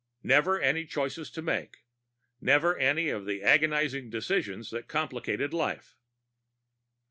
Never any choices to make, never any of the agonizing decisions that complicated life.